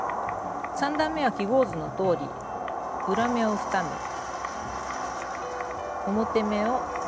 ３段めは記号図のとおり裏目を２目表目を２目。